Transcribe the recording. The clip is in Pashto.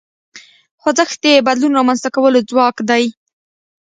خوځښت د بدلون رامنځته کولو ځواک دی.